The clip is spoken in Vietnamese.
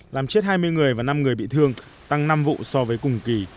làm chết hai mươi người và năm người bị thương tăng năm vụ so với cùng kỳ